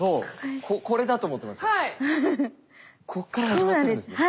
ここから始まってるんですね。